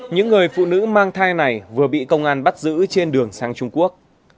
những người phụ nữ mang thai này vừa bị công an bắt giữ trên đường sang trung quốc